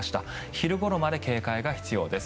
昼ごろまで警戒が必要です。